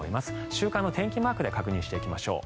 週間の天気マークで確認していきましょう。